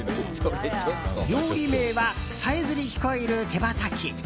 料理名はさえずり聞こえる手羽先。